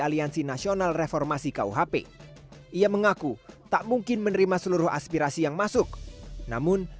aliansi nasional reformasi kuhp ia mengaku tak mungkin menerima seluruh aspirasi yang masuk namun